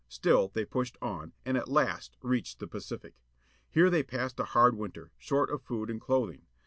Still they pushed on, and at last reached the Pacific. Here they passed a hard winter, short of food and clothing.